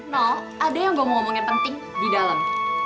nol ada yang gue mau ngomongin penting di dalam